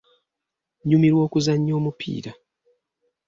Nnyumirwa okuzannya omupiira.